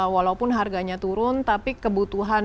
walaupun harganya turun tapi kebutuhan